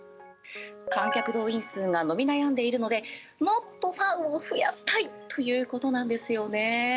観客動員数が伸び悩んでいるのでもっとファンを増やしたいということなんですよね。